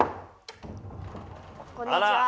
こんにちは。